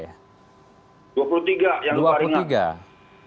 dua puluh tiga yang luka ringan